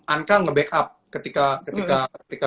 anka nge backup ketika